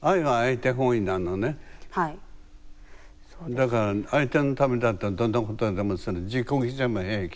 だから相手のためだったらどんなことでもする自己犠牲も平気。